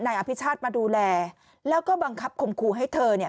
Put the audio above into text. อภิชาติมาดูแลแล้วก็บังคับคมครูให้เธอเนี่ย